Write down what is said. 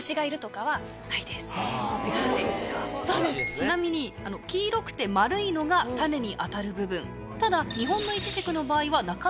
ちなみに黄色くて丸いのが種に当たる部分。